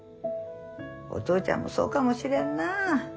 お父ちゃんもそうかもしれんなあ。